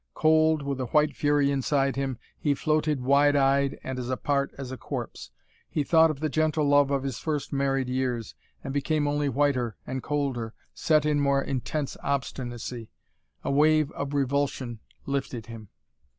Cold, with a white fury inside him, he floated wide eyed and apart as a corpse. He thought of the gentle love of his first married years, and became only whiter and colder, set in more intense obstinacy. A wave of revulsion lifted him.